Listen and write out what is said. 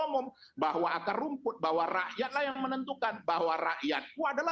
umum bahwa akar rumput bahwa rakyatlah yang menentukan bahwa rakyatku adalah